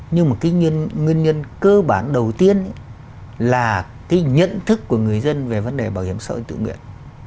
nhưng mà cái nguyên nhân cơ bản đầu tiên là cái nhận thức của người dân về vấn đề bảo hiểm xã hội tự nguyện